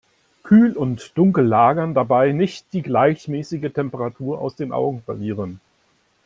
Kühl und dunkel lagern, dabei nicht die gleichmäßige Temperatur aus den Augen verlieren.